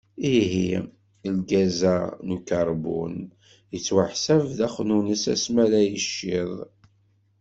Ihi, lgaz-a n ukarbun, yettwaḥsab d axnunnes asmi ara yiciḍ.